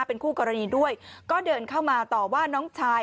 เป็นคู่กรณีด้วยก็เดินเข้ามาต่อว่าน้องชาย